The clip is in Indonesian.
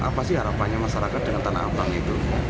apa sih harapannya masyarakat dengan tanah abang itu